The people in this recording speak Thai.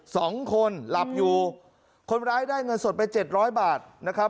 สองคนหลับอยู่คนร้ายได้เงินสดไปเจ็ดร้อยบาทนะครับ